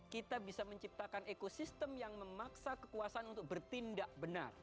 kita bisa menciptakan ekosistem yang memaksa kekuasaan untuk bertindak benar